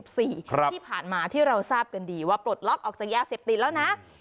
ที่ผ่านมาที่เราทราบกันดีว่าปลดล็อกออกจากยาเสพติดแล้วนะ